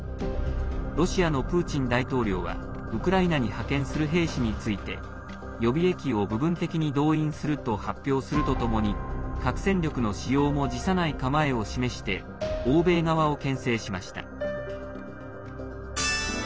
ロシアのプーチン大統領はウクライナに派遣する兵士について予備役を部分的に動員すると発表するとともに核戦力の使用も辞さない構えを示して欧米側をけん制しました。